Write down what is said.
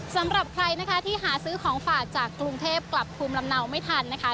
สำหรับใครนะคะที่หาซื้อของฝากจากกรุงเทพกลับภูมิลำเนาไม่ทันนะคะ